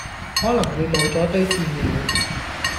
可能會無咗堆戰友